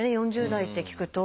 ４０代って聞くと。